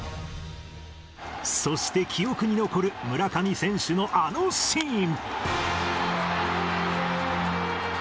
そして記憶に残る村上選手のあのシーン。